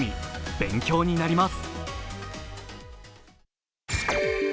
勉強になります。